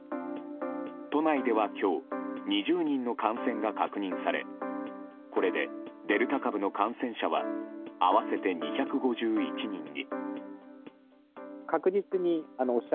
都内では今日２０人の感染が確認されこれでデルタ株の感染者は合わせて２５１人に。